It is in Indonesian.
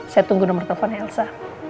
saya tunggu nomor teleponnya elsa